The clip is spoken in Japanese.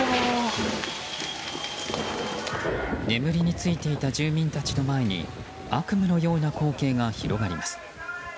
眠りに就いていた住民たちの前に悪夢のような光景が広がります。